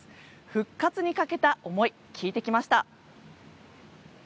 復活にかけた思い聞いてきました。